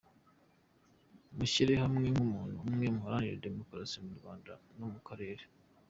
Mushyire hamwe nkumuntu umwe muharanire demokarasi mu Rwanda no Mukarere.